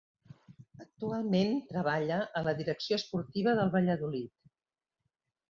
Actualment treballa a la direcció esportiva del Valladolid.